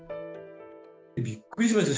びっくりしました。